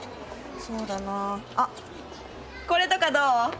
そうだなあこれとかどう？